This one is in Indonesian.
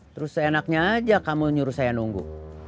terus seenaknya aja kamu nyuruh saya nunggu